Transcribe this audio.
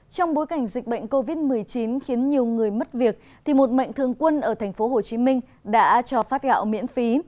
trong bối cảnh dịch bệnh covid một mươi chín khiến nhiều người mất việc thì một mệnh thường quân ở thành phố hồ chí minh đã cho phát gạo miễn phí